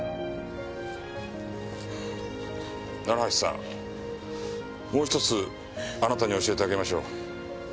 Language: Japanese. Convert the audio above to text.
橋さんもうひとつあなたに教えてあげましょう。